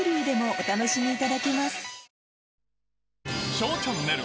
ＳＨＯＷチャンネル